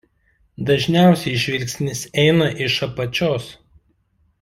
Dažniausiai žvilgsnis eina iš apačios.